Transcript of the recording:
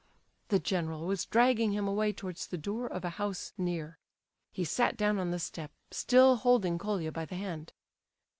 The general was dragging him away towards the door of a house nearby. He sat down on the step, still holding Colia by the hand.